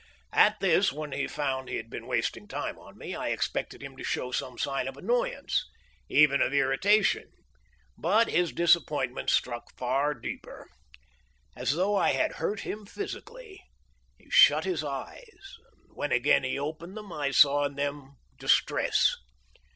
At this, when he found he had been wasting time on me, I expected him to show some sign of annoyance, even of irritation, but his disappointment struck far deeper. As though I had hurt him physically, he shut his eyes, and when again he opened them I saw in them distress.